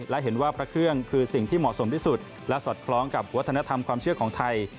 และเห็นว่าพระเครื่องคือสิ่งที่เหมาะสมที่สุดและสอดคล้องกับวัฒนธรรมความเชื่อของไทย